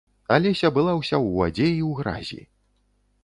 Алеся была ўся ў вадзе і ў гразі.